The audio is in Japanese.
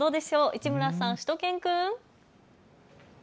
市村さん、しゅと犬くん。